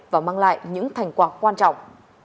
và mang lại những thành quả quan trọng